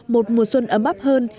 một mùa xuân ấm ấp hơn